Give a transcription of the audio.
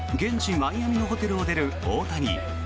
マイアミのホテルを出る大谷。